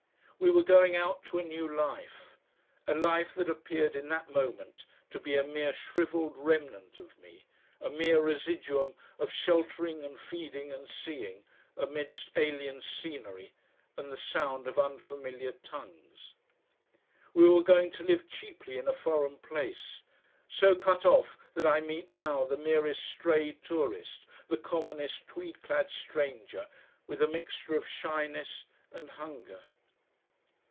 We were going out to a new life, a life that appeared in that moment to be a mere shrivelled remnant of me, a mere residuum of sheltering and feeding and seeing amidst alien scenery and the sound of unfamiliar tongues. We were going to live cheaply in a foreign place, so cut off that I meet now the merest stray tourist, the commonest tweed clad stranger with a mixture of shyness and hunger....